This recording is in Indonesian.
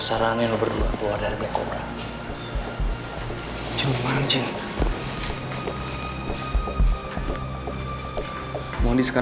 sudah selesai ngenterim ngedo si bando warung di luar